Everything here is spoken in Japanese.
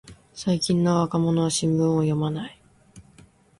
最近の若者は新聞を読まない